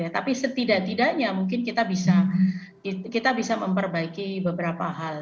tapi setidak tidaknya mungkin kita bisa memperbaiki beberapa hal